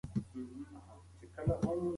دا وسایل به کور ته ننوځي.